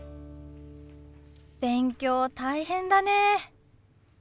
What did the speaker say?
勉強大変だね。